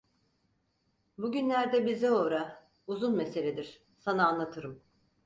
Bugünlerde bize uğra, uzun meseledir, sana anlatırım.